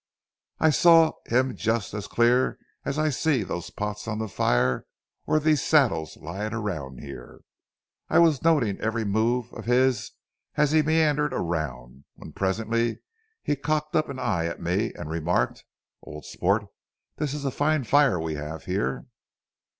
I saw him just as clear as I see those pots on the fire or these saddles lying around here. I was noting every move of his as he meandered around, when presently he cocked up an eye at me and remarked: 'Old sport, this is a fine fire we have here.'